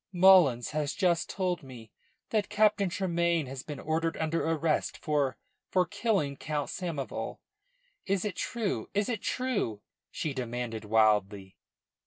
"Mullins has just told me that Captain Tremayne has been ordered under arrest for for killing Count Samoval. Is it true? Is it true?" she demanded wildly.